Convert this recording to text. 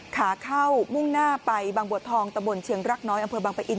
ขาเข้ามุ่งหน้าไปบางบัวทองตะบนเชียงรักน้อยอำเภอบางปะอิน